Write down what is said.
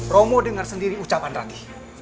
romo dengar sendiri ucapan rani